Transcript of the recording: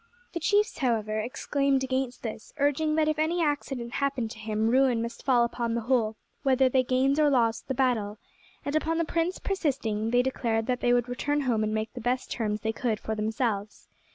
The chiefs, however, exclaimed against this, urging that if any accident happened to him ruin must fall upon the whole, whether they gained or lost the battle; and upon the prince persisting they declared that they would return home and make the best terms they could for themselves.